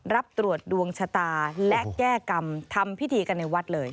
รับตรวจดวงชะตาและแก้กรรมทำพิธีกันในวัดเลย